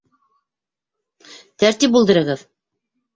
Тәртип булдырығыҙ.